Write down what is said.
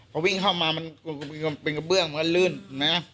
พอวิ่งเข้ามาเป็นเกอบเบื้องมันก็ลื่น